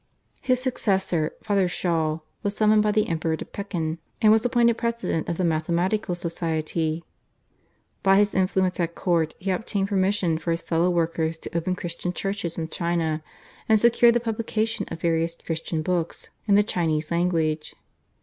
His successor, Father Schall, was summoned by the Emperor to Pekin, and was appointed president of the mathematical society. By his influence at court he obtained permission for his fellow workers to open Christian churches in China, and secured the publication of various Christian books in the Chinese language.